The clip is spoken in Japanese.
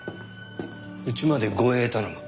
家まで護衛頼む。